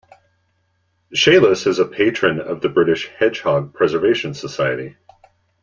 Challis is a patron of the British Hedgehog Preservation Society.